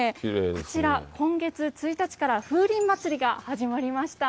こちら、今月１日から風鈴まつりが始まりました。